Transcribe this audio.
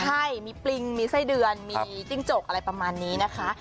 ใช่มีปริงมีไส้เดือนมีจิ้งจกอะไรประมาณนี้นะคะ